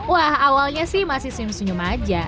wah awalnya sih masih senyum senyum aja